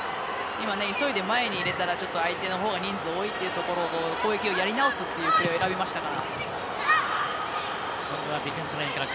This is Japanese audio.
今、急いで前に入れたら相手のほうが人数多いというところで攻撃をやり直すっていうプレーを選びましたから。